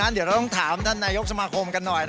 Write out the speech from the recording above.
เดี๋ยวเราต้องถามท่านนายกสมาคมกันหน่อย